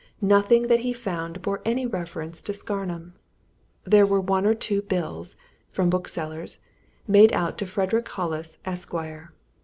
Nothing that he found bore any reference to Scarnham. There were one or two bills from booksellers made out to Frederick Hollis, Esquire.